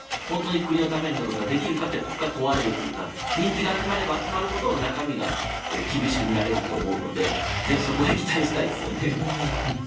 本当に国のためになることができるのかがここから問われるというか人気が集まれば集まるほど中身が厳しく見られると思うのでぜひ、そこへ期待したいですよね。